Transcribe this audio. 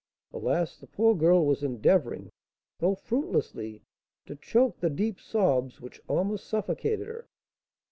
Alas! the poor girl was endeavouring, though fruitlessly, to choke the deep sobs which almost suffocated her.